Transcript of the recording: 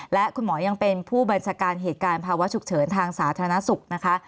และคุณหมอยังเป็นผู้บัญชาการเหตุการณ์ภาวะฉุกเฉินทางสาธารณสุขนะคะ